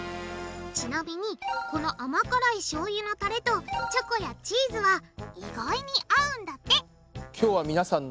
ちなみにこの甘辛いしょうゆのたれとチョコやチーズは意外に合うんだって！